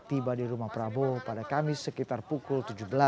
tiba di rumah prabowo pada kamis sekitar pukul tujuh belas